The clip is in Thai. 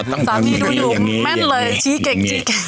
สามีดูอยู่แม่นเลยชี้เก่ง